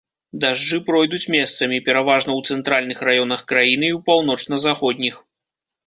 Дажджы пройдуць месцамі, пераважна ў цэнтральных раёнах краіны і ў паўночна-заходніх.